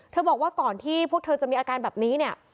บอกว่าก่อนที่พวกเธอจะมีอาการแบบนี้เนี่ย